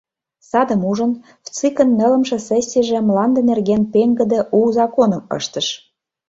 Садым ужын, ВЦИК-ын нылымше сессийже мланде нерген пеҥгыде у законым ыштыш.